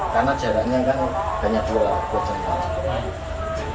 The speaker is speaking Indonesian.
karena jaraknya kan banyak dua lah buat contoh